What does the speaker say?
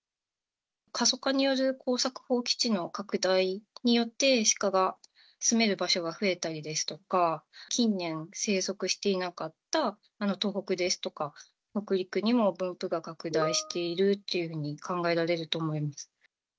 過疎化による耕作放棄地の拡大によって、シカが住める場所が増えたりですとか、近年、生息していなかった東北ですとか、北陸にも分布が拡大しているというふうに考えられると思います。